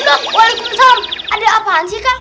gara gara apaan sih kak